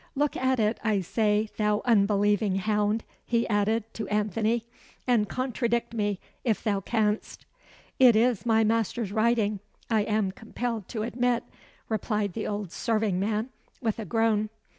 Look at it, I say, thou unbelieving hound," he added, to Anthony, "and contradict me if thou canst." "It is my master's writing, I am compelled to admit," replied the old serving man, with a groan.